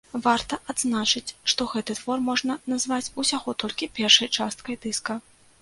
Варта адзначыць, што гэты твор можна назваць усяго толькі першай часткай дыска.